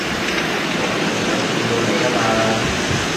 就係唔想見到你吖嘛